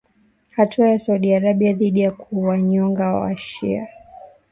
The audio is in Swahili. Hatua ya Saudi Arabia dhidi ya kuwanyonga washia